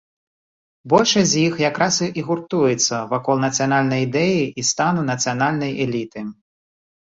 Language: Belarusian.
Большасць з іх якраз і гуртуецца вакол нацыянальнай ідэі і стану нацыянальнай эліты.